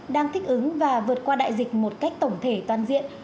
đang thích ứng và vượt qua đại dịch một cách tổng thể toàn diện